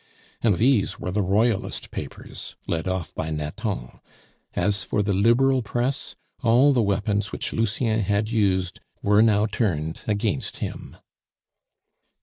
And these were the Royalist papers, led off by Nathan. As for the Liberal press, all the weapons which Lucien had used were now turned against him.